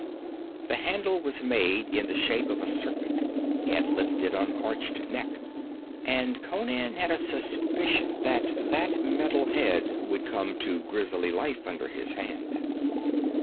The handle was made in the shape of a serpent, head lifted on arched neck; and Conan had a suspicion that that metal head would come to grisly life under his hand.